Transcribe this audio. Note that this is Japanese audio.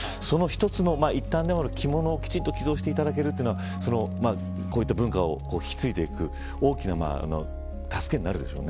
その一つの、一端でもある着物をきちんと寄贈していただけるというのはこういった文化を引き継いでいく大きな助けになるでしょうね。